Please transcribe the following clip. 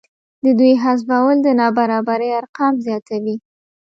د دوی حذفول د نابرابرۍ ارقام زیاتوي